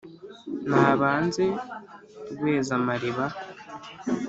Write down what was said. nabanze rwezamariba